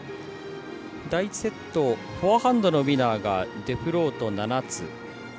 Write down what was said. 第１セットフォアハンドのウィナーがデフロート、７つ。